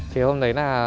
thì hôm đấy là